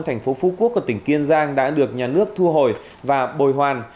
thành phố phú quốc ở tỉnh kiên giang đã được nhà nước thu hồi và bồi hoàn